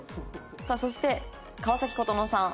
さあそして川崎琴之さん。